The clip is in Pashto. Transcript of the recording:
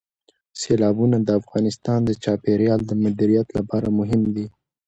سیلابونه د افغانستان د چاپیریال د مدیریت لپاره مهم دي.